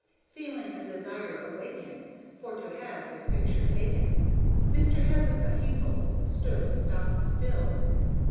Feeling a desire awaken For to have his picture taken, Mr. Hezekiah Hinkle stood stock still.